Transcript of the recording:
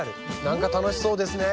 なんか楽しそうですね。